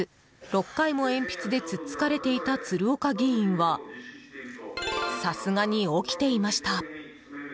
６回も鉛筆で突っつかれていた鶴岡議員はさすがに起きていました。